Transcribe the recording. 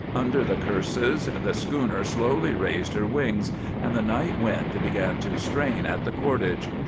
Under the curses, the schooner slowly raised her wings and the night wind began to strain at the cordage.